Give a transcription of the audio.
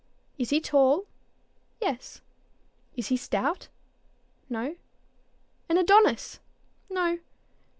"Is he tall?" "Yes." "Is he stout?" "No." "An Adonis?" "No."